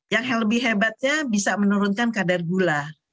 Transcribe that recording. yang lebih hebatnya bisa menurunkan kadar gula